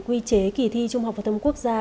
quy chế kỳ thi trung học phổ thông quốc gia